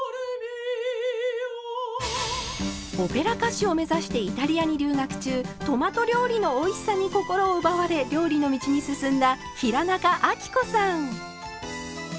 オペラ歌手を目指してイタリアに留学中トマト料理のおいしさに心を奪われ料理の道に進んだ平仲亜貴子さん。